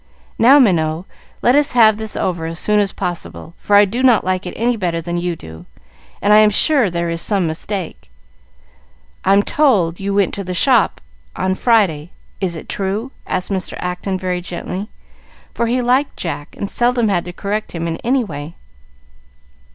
"Now, Minot, let us have this over as soon as possible, for I do not like it any better than you do, and I am sure there is some mistake. I'm told you went to the shop on Friday. Is it true?" asked Mr. Acton very gently, for he liked Jack and seldom had to correct him in any way.